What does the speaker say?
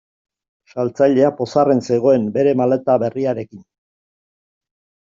Saltzailea pozarren zegoen bere maleta berriarekin.